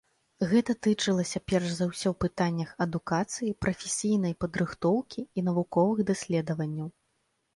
Гэта тычылася перш за ўсё пытаннях адукацыі, прафесійнай падрыхтоўкі і навуковых даследаванняў.